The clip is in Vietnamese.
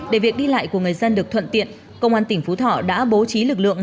để việc đi lại của người dân được thuận tiện công an tỉnh phú thọ đã bố trí lực lượng